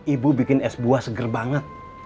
ibu bikin es buah segar banget